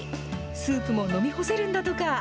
スープも飲み干せるんだとか。